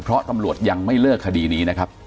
เพราะตำรวจยังไม่เลิกคดีนี้นะครับ